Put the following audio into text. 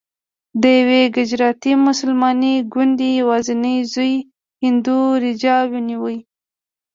د یوې ګجراتي مسلمانې کونډې یوازینی زوی هندو راجا ونیو.